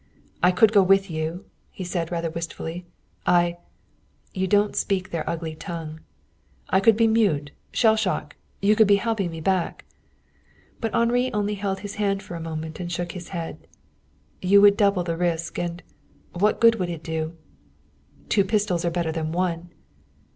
"I could go with you," he said rather wistfully. "You don't speak their ugly tongue." "I could be mute shell shock. You could be helping me back." But Henri only held his hand a moment and shook his head. "You would double the risk, and what good would it do?" "Two pistols are better than one."